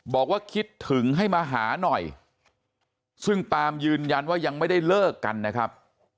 บอกว่าคิดถึงให้มาหาหน่อยซึ่งปามยืนยันว่ายังไม่ได้เลิกกันนะครับ